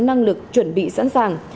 năng lực chuẩn bị sẵn sàng